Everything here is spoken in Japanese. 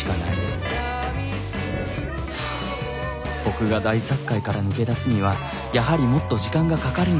僕が大殺界から抜け出すにはやはりもっと時間がかかるのだろうか。